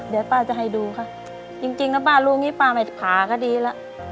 เดี๋ยวป้าจะให้ดูค่ะจริงนะป้ารูงนี้ป้ามาผาก็ดีละ